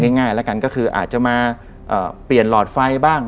ง่ายแล้วกันก็คืออาจจะมาเปลี่ยนหลอดไฟบ้าง